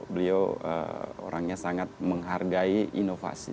beliau orangnya sangat menghargai inovasi